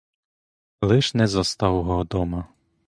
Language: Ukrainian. Лиш не застав го дома.